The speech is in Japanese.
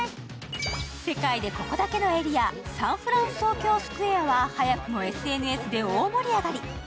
世界でここだけのエリア、サンフランソウキョウ・スクエアは早くもＳＮＳで大盛り上がり。